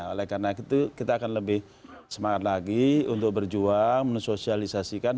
oleh karena itu kita akan lebih semangat lagi untuk berjuang mensosialisasikan